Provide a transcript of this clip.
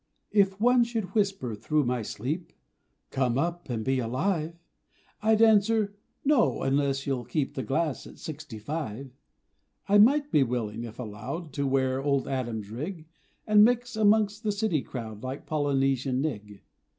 If one should whisper through my sleep "Come up and be alive," I'd answer No, unless you'll keep The glass at sixty five. I might be willing if allowed To wear old Adam's rig, And mix amongst the city crowd Like Polynesian "nig".